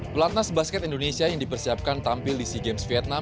pelatnas basket indonesia yang dipersiapkan tampil di sea games vietnam